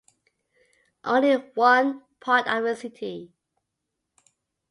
Only in one part of the city.